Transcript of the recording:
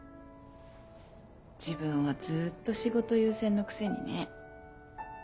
自分はずっと仕事優先のくせにね。